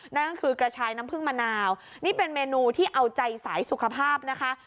นั่นก็คือกระชายน้ำผึ้งมะนาวนี่เป็นเมนูที่เอาใจสายสุขภาพนะคะ